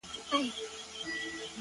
هغه ولس چي د ‘